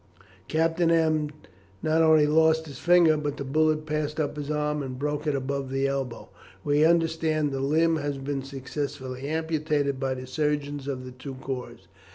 Captain M l not only lost his finger, but the bullet passed up his arm and broke it above the elbow. We understand that the limb has been successfully amputated by the surgeons of the two corps.